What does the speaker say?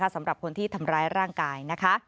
สำหรับคนที่ทำร้ายร่างกายนะคะ